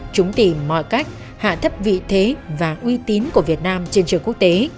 chúng tìm mọi cách hạ thấp vị thế và uy tín của việt nam trên trường quốc tế